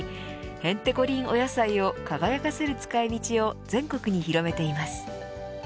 へんてこりんお野菜を輝かせる使い道を全国に広めています。